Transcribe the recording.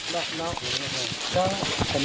ดึง